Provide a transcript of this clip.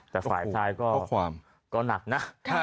แต่ฝ่ายท้ายก็หนักนะ